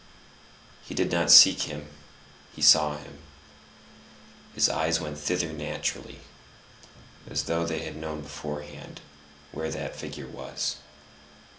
He did not seek him; he saw him; his eyes went thither naturally, as though they had known beforehand where that figure was.